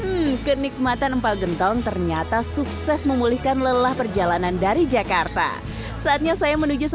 hmm kenikmatan empal gentong ternyata sukses memulihkan lelah kaki anda